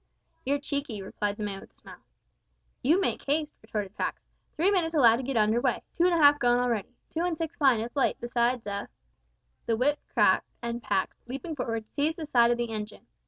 "You're cheeky," replied the man, with a smile. "You make haste," retorted Pax; "three minutes allowed to get under weigh. Two and a half gone already. Two and six fine if late, besides a " The whip cracked, and Pax, leaping forward, seized the side of the engine.